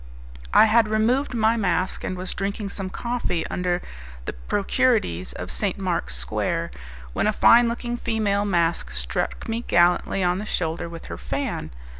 I had removed my mask, and was drinking some coffee under the 'procuraties' of St. Mark's Square, when a fine looking female mask struck me gallantly on the shoulder with her fan.